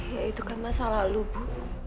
ya itu kan masalah lu bu